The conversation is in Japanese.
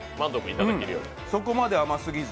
そこまで甘すぎず。